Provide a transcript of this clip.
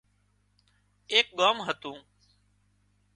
ايڪ ڳام هتون